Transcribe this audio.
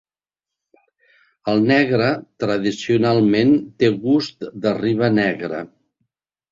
El negre tradicionalment té gust de riba negra.